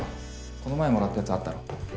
この前貰ったやつあったろ。